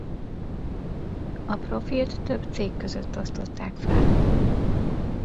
A profilt több cég között osztották fel.